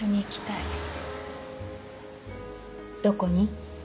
どこに？